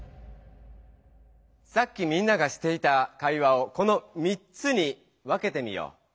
さっきみんながしていた会話をこの３つに分けてみよう。